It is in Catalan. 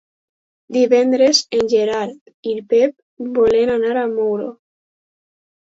Divendres en Gerard i en Pep volen anar a Muro.